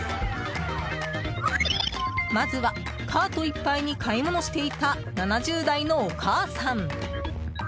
まずは、カートいっぱいに買い物していた７０代のお母さん。